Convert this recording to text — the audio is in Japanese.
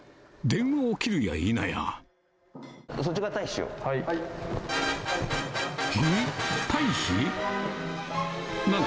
電話を切るやいなや。